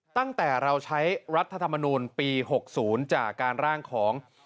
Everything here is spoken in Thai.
ตั้งแต่เราใช้รัฐธรรมนูลปี๖๐จากการร่างของ